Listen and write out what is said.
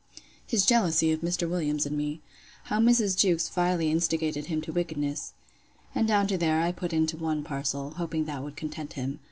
His jealousy of Mr. Williams and me. How Mrs. Jewkes vilely instigated him to wickedness.' And down to here, I put into one parcel, hoping that would content him.